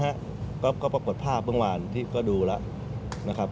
ครับตรงนี้นะครับก็ปรากฏภาพเมื่อวานที่ก็ดูแล้วนะครับ